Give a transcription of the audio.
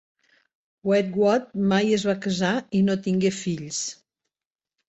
Wedgwood mai es va casar i no tingué fills.